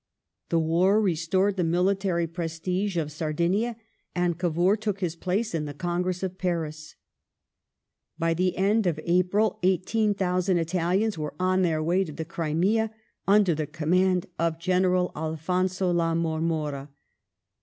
The war restored the military prestige of Sardinia and Cavour took his place in the Congress of Paris. By the end of April 18,000 Italians were on their way to the Crimea, under the command of General Alphonso La Marmora.